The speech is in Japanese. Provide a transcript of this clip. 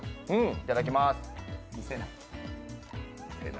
いただきます。